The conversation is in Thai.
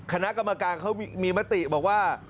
คณะกรรมการเขามีมติบอกว่า